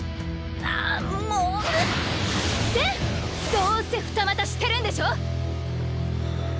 ああもう！で⁉どうせ二股してるんでしょ！